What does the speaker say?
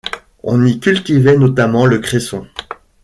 On y cultivait notamment le cresson.